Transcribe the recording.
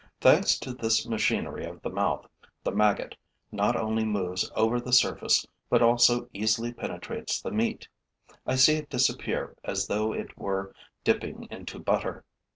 Thanks to this machinery of the mouth, the maggot not only moves over the surface, but also easily penetrates the meat: I see it disappear as though it were dipping into butter.